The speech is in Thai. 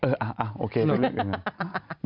เออโอเคไปเรื่อย